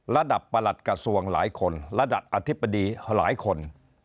ระดับประหลัดกระทรวงหลายคนระดับอธิบดีหลายคน